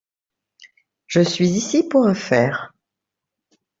Je suis ici pour affaires.